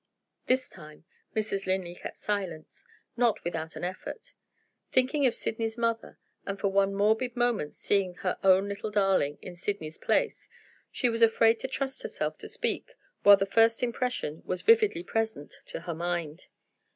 This time, Mrs. Linley kept silence; not without an effort. Thinking of Sydney's mother and for one morbid moment seeing her own little darling in Sydney's place she was afraid to trust herself to speak while the first impression was vividly present to her mind.